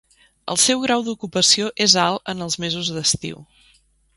El seu grau d'ocupació és alt en els mesos d'estiu.